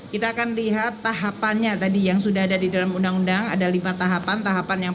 kita akan lihat tahapannya tadi yang sudah ada di dalam undang undang ada lima tahapan tahapan yang